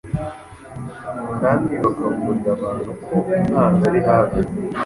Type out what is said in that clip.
kandi bakaburira abantu ko umwanzi ari hafi